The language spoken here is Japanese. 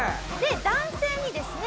男性にですね